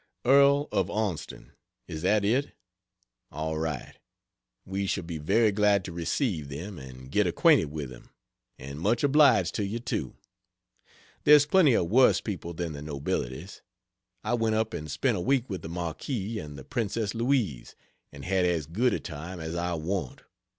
Earl of Onston is that it? All right, we shall be very glad to receive them and get acquainted with them. And much obliged to you, too. There's plenty of worse people than the nobilities. I went up and spent a week with the Marquis and the Princess Louise, and had as good a time as I want.